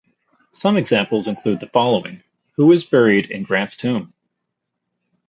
Some examples include the following: Who is buried in Grant's Tomb?